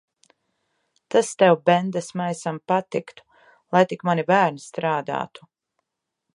Tas tev, bendesmaisam, patiktu. Lai tik mani bērni strādātu.